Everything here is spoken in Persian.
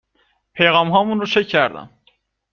.پیغامهامون رو چک کردم